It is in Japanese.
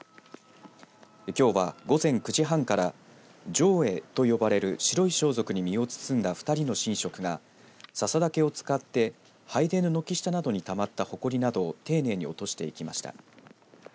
きょうは午前９時半から浄衣と呼ばれる白い装束に身を包んだ２人の神職がささ竹を使って拝殿の軒下などにたまったほこりなどを丁寧に落としていきました。